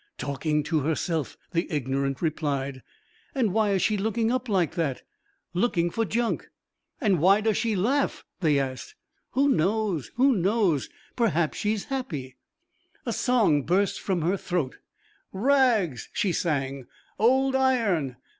"Talking to herself," the ignorant replied. "And why is she looking up like that?" "Looking for junk." "And why does she laugh?" they asked. "Who knows? Who knows? Perhaps she's happy." A song burst from her throat: "Rags," she sang, "old iron